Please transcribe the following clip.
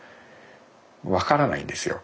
分からないんですよ。